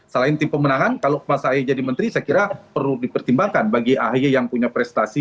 selain tim pemenangan kalau mas ahy jadi menteri saya kira perlu dipertimbangkan bagi ahy yang punya prestasi